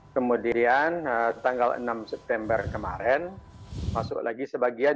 kemudian tanggal enam september kemarin masuk lagi sebagian